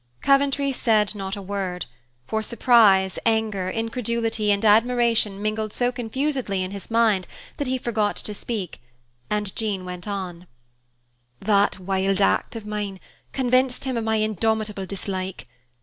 Coventry said not a word, for surprise, anger, incredulity, and admiration mingled so confusedly in his mind that he forgot to speak, and Jean went on, "That wild act of mine convinced him of my indomitable dislike.